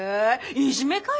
いじめかよ！